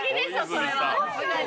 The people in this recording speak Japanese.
それは。